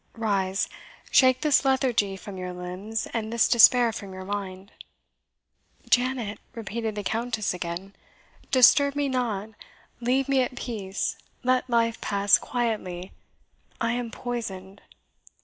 Rise, shake this lethargy from your limbs, and this despair from your mind." "Janet," repeated the Countess again, "disturb me not leave me at peace let life pass quietly. I am poisoned."